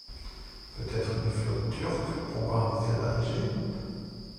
Peut-être une flotte turque bombardait-elle Alger?